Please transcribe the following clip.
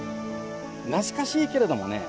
懐かしいけれどもね